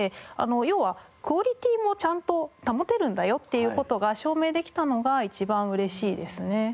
要はクオリティーもちゃんと保てるんだよっていう事が証明できたのが一番嬉しいですね。